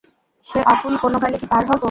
সে অকূল কোনোকালে কি পার হব।